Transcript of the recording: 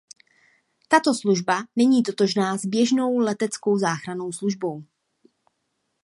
Tato služba není totožná s běžnou leteckou záchrannou službou.